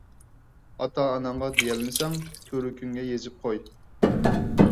ئاتا ـ ئاناڭغا دېيەلمىسەڭ تۈۋرۈكۈڭگە يېزىپ قوي.